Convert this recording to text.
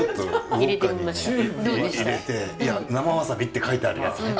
いや生わさびって書いてあるやつね。